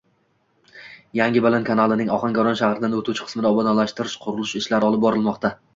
“Yangibaland” kanalining Ohangaron shahridan oʻtuvchi qismida obodonlashtirish, qurilish ishlari olib borilmoqda.